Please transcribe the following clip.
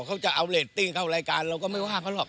เขาจะเอาเรตติ้งเข้ารายการเราก็ไม่ว่าเขาหรอก